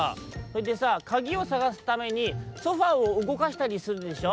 「それでさあかぎをさがすためにソファーをうごかしたりするでしょ」。